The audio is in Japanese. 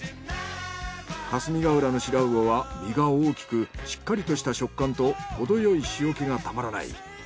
霞ヶ浦のシラウオは身が大きくしっかりとした食感とほどよい塩けがたまらない。